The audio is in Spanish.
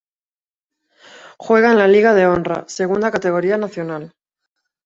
Juega en la Liga de Honra, segunda categoría nacional.